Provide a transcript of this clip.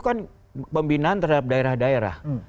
kan pembinaan terhadap daerah daerah